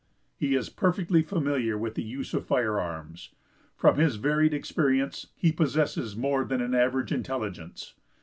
He is perfectly familiar with the use of firearms. From his varied experience, he possesses more than an average intelligence.